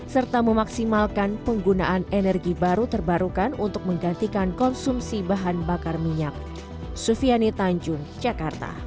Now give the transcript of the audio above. serta memaksimalkan penggunaan energi baru terbarukan untuk menggantikan konsumsi bahan bakar minyak